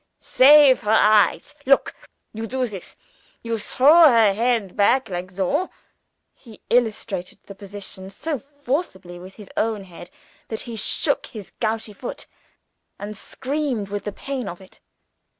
Save her eyes. Look! You do this. You throw her head back soh!" He illustrated the position so forcibly with his own head that he shook his gouty foot, and screamed with the pain of it.